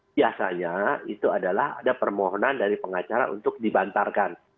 biasanya itu adalah ada permohonan dari pengacara untuk dibantarkan